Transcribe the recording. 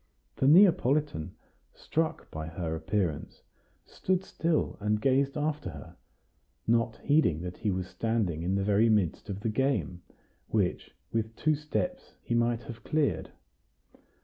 The Neapolitan, struck by her appearance, stood still and gazed after her, not heeding that he was standing in the very midst of the game, which, with two steps, he might have cleared.